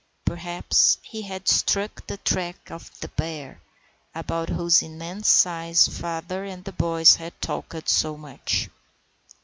Perhaps he had struck the track of the bear, about whose immense size father and the boys had talked so much.